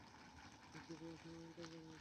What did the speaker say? নিশ্চয় প্রফেসর আমন্ত্রন জানিয়েছে।